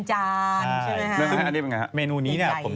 จากกระแสของละครกรุเปสันนิวาสนะฮะ